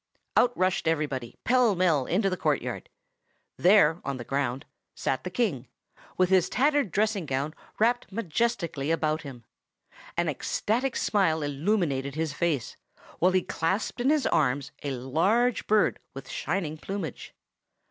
Out rushed everybody, pell mell, into the courtyard. There, on the ground, sat the King, with his tattered dressing gown wrapped majestically about him. An ecstatic smile illuminated his face, while he clasped in his arms a large bird with shining plumage.